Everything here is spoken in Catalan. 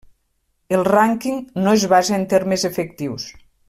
El rànquing no es basa en termes efectius.